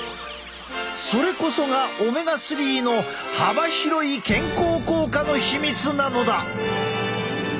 それこそがオメガ３の幅広い健康効果の秘密なのだ。